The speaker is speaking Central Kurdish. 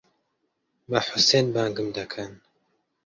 بە حوسێن بانگم دەکەن.